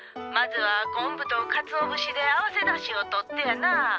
まずはこんぶとかつお節で合わせだしをとってやなあ。